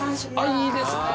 あっいいですね！